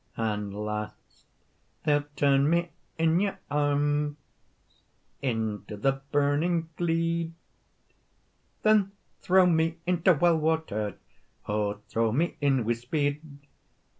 "And last they'll turn me in your arms Into the burning gleed; Then throw me into well water, O throw me in wi speed.